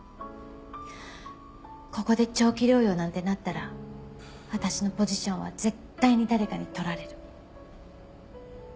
ここで長期療養なんてなったら私のポジションは絶対に誰かに取られる。